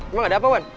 emang ada apa wan